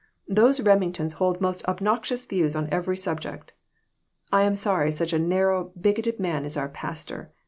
Those Remingtons hold most obnoxious veiws on every subject. I am sorry such a narrow, bigoted man is our pastor.